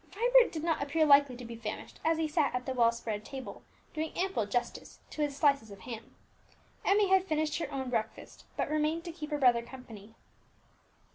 Vibert did not appear likely to be famished as he sat at the well spread table, doing ample justice to his slices of ham. Emmie had finished her own breakfast, but remained to keep her brother company.